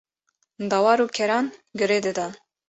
dewar û keran girêdidan.